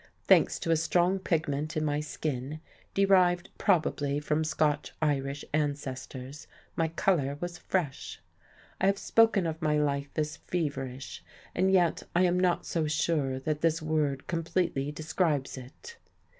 Thanks to a strong pigment in my skin, derived probably from Scotch Irish ancestors, my colour was fresh. I have spoken of my life as feverish, and yet I am not so sure that this word completely describes it.